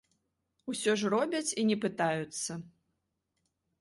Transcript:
Усё ж робяць і не пытаюцца.